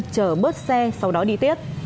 chờ bớt xe sau đó đi tết